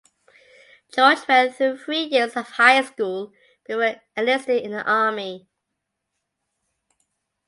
George went through three years of high school before enlisting in the army.